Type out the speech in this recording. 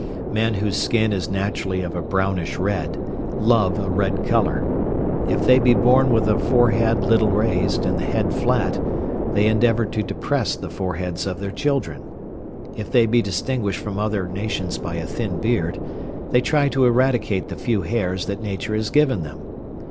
Men whose skin is naturally of a brownish red, love a red colour. If they be born with a forehead little raised, and the head flat, they endeavour to depress the foreheads of their children. If they be distinguished from other nations by a thin beard, they try to eradicate the few hairs that nature has given them.